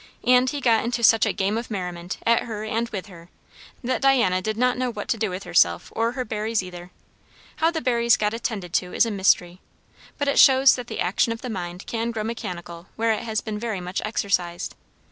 And he got into such a game of merriment, at her and with her, that Diana did not know what to do with herself or her berries either. How the berries got attended to is a mystery; but it shows that the action of the mind can grow mechanical where it has been very much exercised.